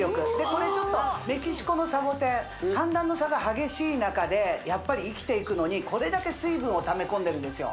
これちょっとメキシコのサボテン寒暖の差が激しい中でやっぱり生きていくのにこれだけ水分をためこんでるんですよ